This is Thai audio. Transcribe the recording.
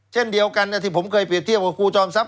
เช่นเดียวกันที่ผมเคยเปรียบเทียบกับครูจอมทรัพ